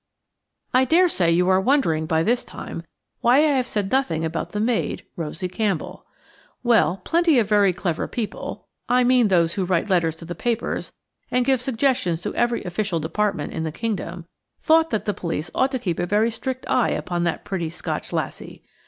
I dare say you are wondering by this time why I have said nothing about the maid, Rosie Campbell. Well, plenty of very clever people (I mean those who write letters to the papers and give suggestions to every official department in the kingdom) thought that the police ought to keep a very strict eye upon that pretty Scotch lassie.